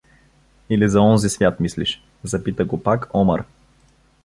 — Или за онзи свят мислиш? — запита го пак Омар.